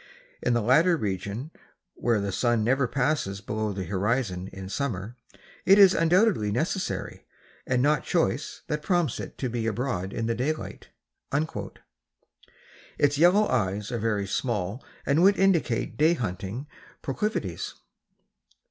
In the latter region, where the sun never passes below the horizon in summer, it is undoubtedly necessity and not choice that prompts it to be abroad in the daylight." Its yellow eyes are very small and would indicate day hunting proclivities.